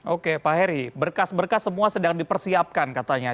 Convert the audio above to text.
oke pak heri berkas berkas semua sedang dipersiapkan katanya